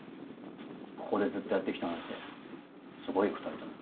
ここでずっとやってきたなんてすごいよ２人とも。